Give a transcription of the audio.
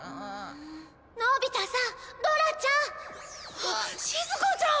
のび太さん！ドラちゃん！あっしずかちゃん！